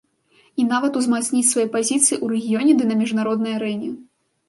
І нават узмацніць свае пазіцыі ў рэгіёне ды на міжнароднай арэне.